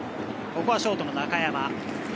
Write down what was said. ここはショートの中山。